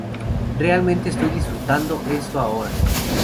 Realmente estoy disfrutando esto ahora".